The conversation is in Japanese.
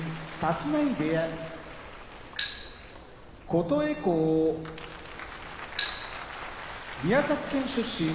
琴恵光宮崎県出身